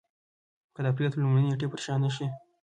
که د اپرېل تر لومړۍ نېټې پر شا نه شي.